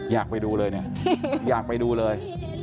อยากไปดูเลยยังไปดูเลย